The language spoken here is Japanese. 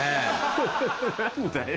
何だよ。